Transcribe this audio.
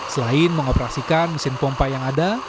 selain mengoperasikan mesin pompa yang ada